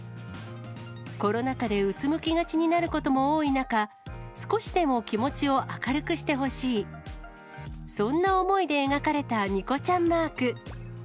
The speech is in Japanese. コロナ禍でうつむきがちになることも多い中、少しでも気持ちを明るくしてほしい、そんな思いで描かれたニコちゃんマーク。